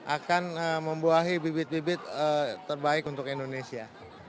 akan membuahi bibit bibit terbaik untuk indonesia